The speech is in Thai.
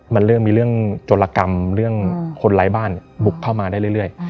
มันเริ่มมีเรื่องโจรกรรมเรื่องคนไร้บ้านบุกเข้ามาได้เรื่อย